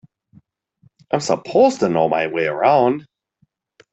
I'm supposed to know my way around.